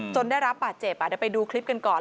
จนได้รับบาดเจ็บจะไปดูคลิปกันก่อน